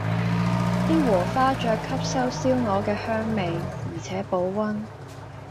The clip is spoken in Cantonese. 啲禾花雀吸收燒鵝嘅香味，而且保溫